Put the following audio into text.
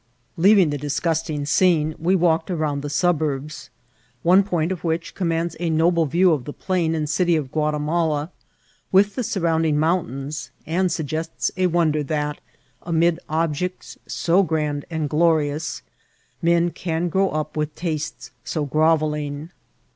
Leaving the disgusting scene, we walked around the suburbs, one point of which commands a noble view of the plain and city of Quathnala, with the surrounding mountains, and suggests a wonder that, amid objects so grand and glorious, men can grow up with tastes so grovelling.